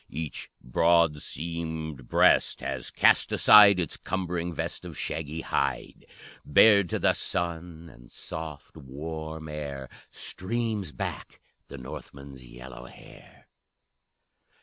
Each broad, seamed breast has cast aside Its cumbering vest of shaggy hide; Bared to the sun and soft warm air, Streams back the Northmen's yellow hair.